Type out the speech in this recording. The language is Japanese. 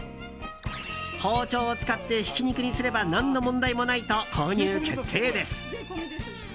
包丁を使ってひき肉にすれば何の問題もないと、購入決定です。